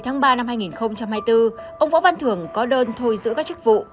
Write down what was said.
ngày hai mươi ba hai nghìn hai mươi bốn ông võ văn thường có đơn thôi giữ các chức vụ